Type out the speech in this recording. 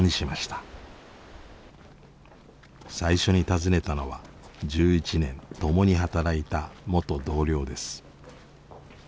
最初に訪ねたのは１１年共に働いた元同僚です。